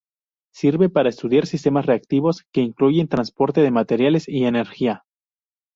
Sirve para estudiar sistemas reactivos que incluyen transporte de materiales y energía.